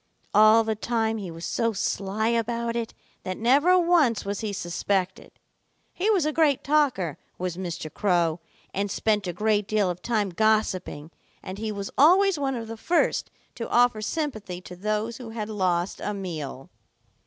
All the time he was so sly about it that never once was he suspected. He was a great talker, was Mr. Crow, and spent a great deal of time gossiping, and he was always one of the first to offer sympathy to those who had lost a meal.